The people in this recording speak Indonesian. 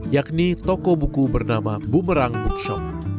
yakni toko buku bernama bumerang bookshop